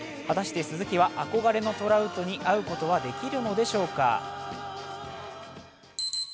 果たして鈴木は憧れのトラウトに会うことはできるのでしょうか。